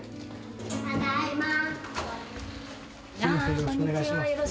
よろしくお願いします。